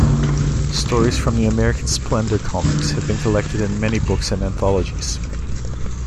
Stories from the "American Splendor" comics have been collected in many books and anthologies.